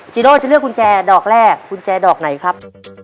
โดจะเลือกกุญแจดอกแรกกุญแจดอกไหนครับ